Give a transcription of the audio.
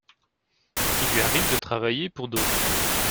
Il lui arrive de travailler pour d'autres.